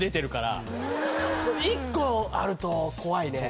１個あると怖いね。